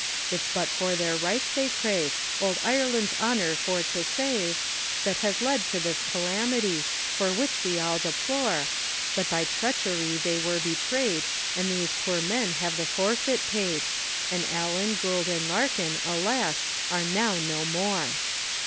Its but for their rights they crave, old Ireland's honour for to save, That has led to this calamity, for which we all deplore, But by treachery they were betrayed, and these poor men have the forfeit paid, And Allen, Gould, and Larkin, alas! are now no more.